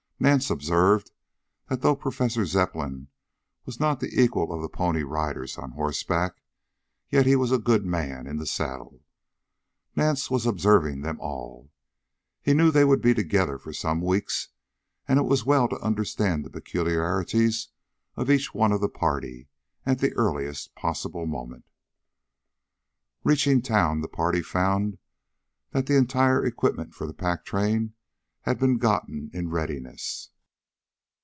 Nance observed that though Professor Zepplin was not the equal of the Pony Riders on horseback, yet he was a good man in the saddle. Nance was observing them all. He knew they would be together for some weeks and it was well to understand the peculiarities of each one of the party at the earliest possible moment. Reaching town the party found that the entire equipment for the pack train had been gotten in readiness.